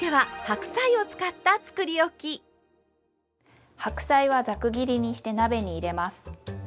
白菜はざく切りにして鍋に入れます。